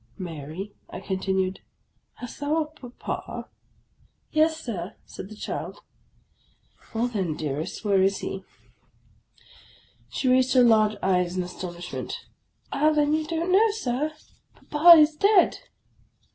" Mary," I continued, " hast thou a papa ?"" Yes, Sir," said the child. " Well, then, dearest, where is he? " She raised her large eyes in astonishment :— "Ah, then you don't know, Sir? Papa is dead."